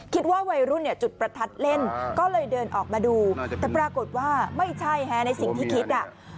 คิดว่าวัยรุ่นเนี่ยจุดประทัดเล่นก็เลยเดินออกมาดูแต่ปรากฏว่าไม่ใช่ฮะในสิ่งที่คิดอ่ะ